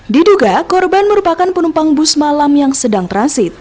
diduga korban merupakan penumpang bus malam yang sedang transit